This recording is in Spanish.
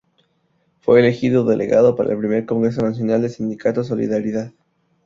Fue elegido delegado para el Primer Congreso Nacional del sindicato Solidaridad.